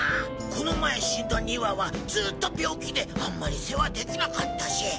この前死んだ２羽はずっと病気であんまり世話できなかったし。